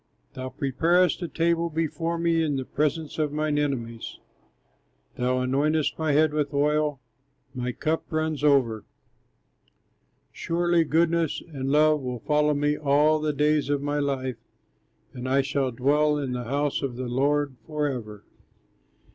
Thou preparest a table before me in the presence of my enemies, Thou anointest my head with oil, my cup runs over; Surely goodness and love will follow me all the days of my life, And I shall dwell in the house of the Lord forever.